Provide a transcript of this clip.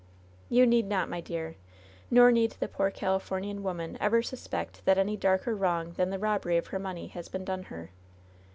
"You need not, my dear. Nor need the poor Califor nian woman ever suspect that any darker wrong than the robbery of her money has been done her.